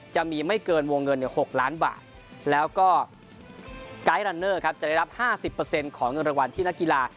จะมีไม่เกินวงเงินหกล้านบาทแล้วก็ครับจะได้รับห้าสิบเปอร์เซ็นต์ของเงินรางวัลที่นักกีฬา